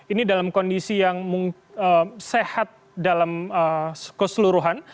ini dalam kondisi yang sehat dalam keseluruhan